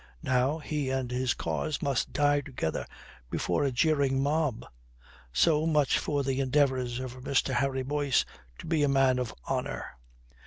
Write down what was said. Now he and his cause must die together before a jeering mob. So much for the endeavours of Mr. Harry Boyce to be a man of honour!